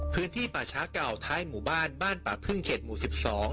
พื้นที่ป่าช้าเก่าท้ายหมู่บ้านบ้านป่าพึ่งเขตหมู่๑๒